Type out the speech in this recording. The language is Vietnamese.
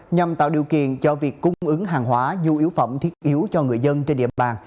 nhằm tạo điều kiện cho việc cung ứng hàng hóa du yếu phẩm thiết yếu cho người dân trên địa bàn